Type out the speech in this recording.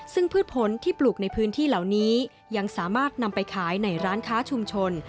ซึ่งพืชผลที่ปลูกในพื้นที่เหล่านี้ยังสามารถนำไปขายในร้านค้าชุมชน